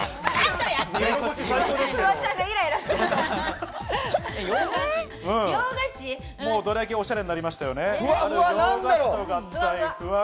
どら焼き、おしゃれになりましたよね。